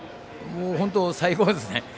本当、最高ですね。